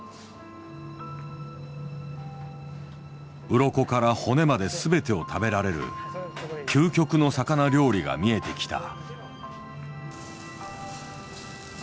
うろこから骨まで全てを食べられる究極の魚料理が見えてきた。